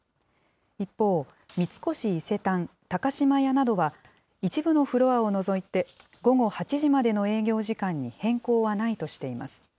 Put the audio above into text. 一方、三越伊勢丹、高島屋などは、一部のフロアを除いて午後８時までの営業時間に変更はないとしています。